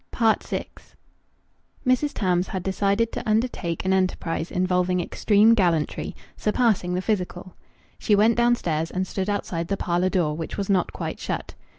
VI Mrs. Tams had decided to undertake an enterprise involving extreme gallantry surpassing the physical. She went downstairs and stood outside the parlour door, which was not quite shut.